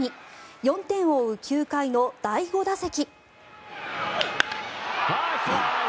４点を追う９回の第５打席。